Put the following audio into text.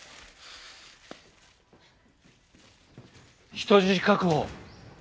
人質確保！